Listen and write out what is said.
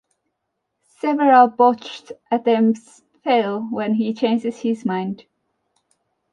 Several botched attempts fail when he changes his mind.